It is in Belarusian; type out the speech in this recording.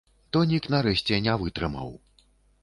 Тонік нарэшце не вытрымаў.